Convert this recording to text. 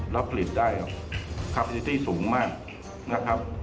รับผลิตได้คาเฟสิตี้สูงมาก